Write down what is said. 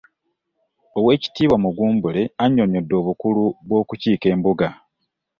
Oweekitiibwa Mugumbule annyonnyodde obukulu bw'okukiika embuga.